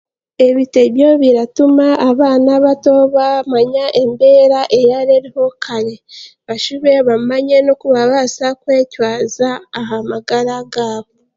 Ebitebyo biratuma abaana bato baamanya embeera eyaabiire eriho kare, bashube bamanye n'okubarabaasa kwetwaza aha magara gaabo.